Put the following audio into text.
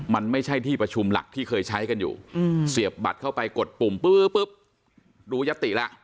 มันไม่ใช่ที่ประชุมหลักที่เคยใช้กันอยู่เสียบบัตรเข้าไปกดปุ่มปุ๊บรู้ยติแล้ว